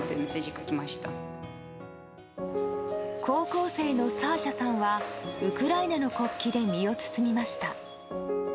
高校生のサーシャさんはウクライナの国旗で身を包みました。